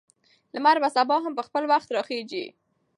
لمر به سبا هم په خپل وخت راخیژي.